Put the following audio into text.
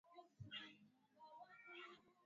rugenzi wa shirika hilo kwa bara la asia sofi richardson